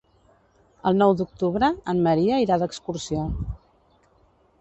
El nou d'octubre en Maria irà d'excursió.